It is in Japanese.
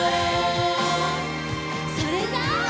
それじゃあ。